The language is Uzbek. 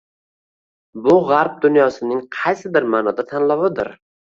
bu g‘arb dunyosining, qaysidir ma’noda, tanlovidir.